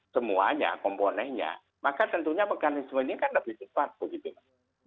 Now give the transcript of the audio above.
semuanya komponennya maka tentunya mekanisme ini kan lebih cepat begitu pak